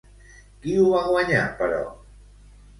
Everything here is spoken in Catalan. Qui ho va guanyar, però?